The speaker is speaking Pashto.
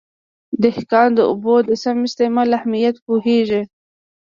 دهقان د اوبو د سم استعمال اهمیت پوهېږي.